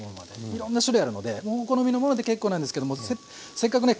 いろんな種類あるのでもうお好みのもので結構なんですけどもせっかくね